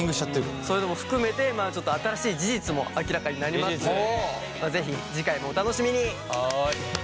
そういうのも含めて新しい事実も明らかになりますので是非次回もお楽しみに。